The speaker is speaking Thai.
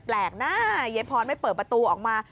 แปลกนะยายพรไม่เปิดประตูออกมา